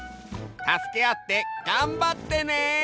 たすけあってがんばってね。